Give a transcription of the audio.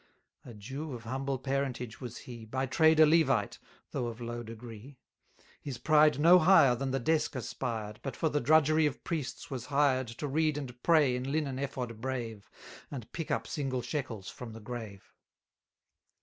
A Jew of humble parentage was he, By trade a Levite, though of low degree: His pride no higher than the desk aspired, But for the drudgery of priests was hired To read and pray in linen ephod brave, And pick up single shekels from the grave.